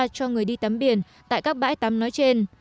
cho người đi tắm biển tại các bãi tắm nói trên